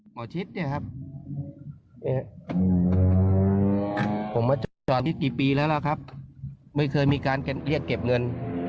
หมอชิดเนี่ยครับผมมาจอดจอดนี้กี่ปีแล้วแล้วครับไม่เคยมีการเรียกเก็บเงิน